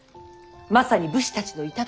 まさに武士たちの頂。